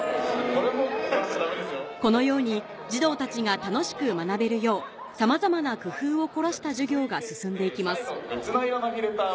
このように児童たちが楽しく学べるようさまざまな工夫を凝らした授業が進んでいきます